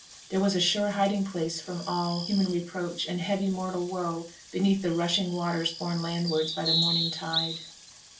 There was a sure hiding place from all human reproach and heavy mortal woe beneath the rushing waters borne landwards by the morning tide.